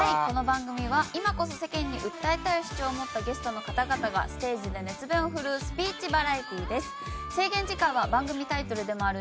この番組は今こそ世間に訴えたい主張を持ったゲストの方々がステージで熱弁を振るうスピーチバラエティーです。